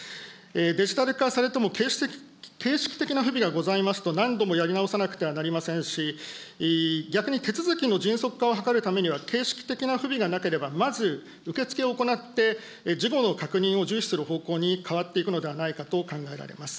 デジタル化されても、形式的な不備がございますと何度もやり直さなくてはなりませんし、逆に手続きの迅速化を図るためには、形式的な不備がなければ、まず受け付けを行って、事後の確認を重視する方向に変わっていくのではないかと考えられます。